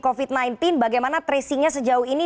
covid sembilan belas bagaimana tracing nya sejauh ini